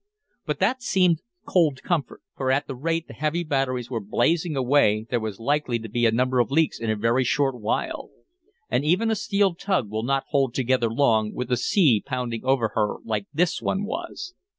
But that seemed cold comfort, for at the rate the heavy batteries were blazing away there was likely to be a number of leaks in a very short while. And even a steel tug will not hold together long with a sea pounding over her like this one was.